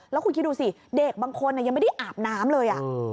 แล้วคุณคิดดูสิเด็กบางคนยังไม่ได้อาบน้ำเลย